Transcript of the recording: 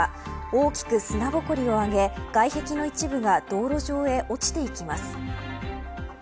大きく砂ぼこりを上げ外壁の一部が道路上へ落ちていきます。